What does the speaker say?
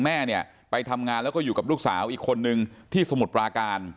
แม่เนี่ยไปทำงานแล้วก็อยู่กับลูกสาวอีกคนนึงที่สมุทรปราการ